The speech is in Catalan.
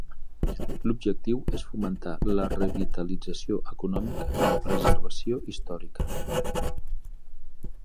L'objectiu és fomentar la revitalització econòmica i la preservació històrica.